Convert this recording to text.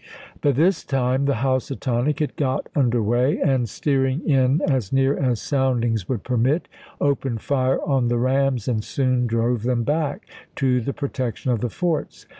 By this time the Housatonic had got under way, and, steering in as near as soundings would permit, opened fire on the rams and soon drove them back to the protection of the forts.